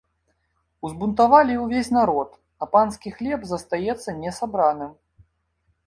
Узбунтавалі ўвесь народ, а панскі хлеб застаецца не сабраным.